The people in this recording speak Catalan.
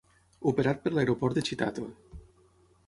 Operat per l'aeroport de Chitato.